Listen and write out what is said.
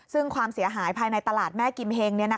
ซึ่งความเสียหายภายในตลาดแม่กิมเฮง